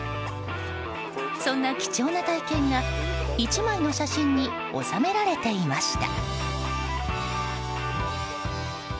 そんな貴重な体験が１枚の写真に収められていました。